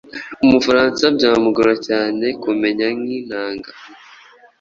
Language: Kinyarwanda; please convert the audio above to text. Umufaransa byamugora cyane kumenya nk’inanga,